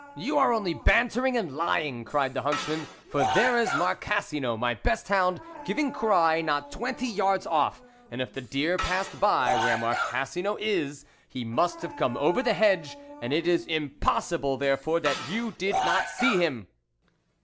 " You are only bantering and lying !" cried the huntsman, " for there is Mar cassino, my best hound, giving cry not twenty yards off, and if the deer passed by where Marcassino is, he must have come over the hedge, and it is impossible, there fore, that you did not see him."